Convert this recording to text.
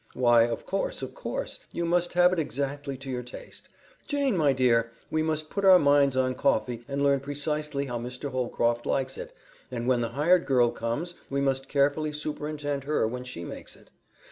"Why, of course, of course! You must have it exactly to your taste. Jane, my dear, we must put our minds on coffee and learn precisely how Mr. Holcroft likes it, and when the hired girl comes we must carefully superintend her when she makes it.